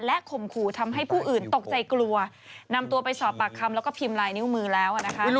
ข่มขู่ทำให้ผู้อื่นตกใจกลัวนำตัวไปสอบปากคำแล้วก็พิมพ์ลายนิ้วมือแล้วนะคะ